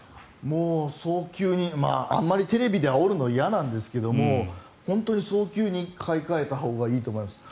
もう早急にあまりテレビであおるのも嫌なんですが本当に早急に買い替えたほうがいいと思います。